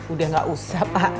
udah gak usah pak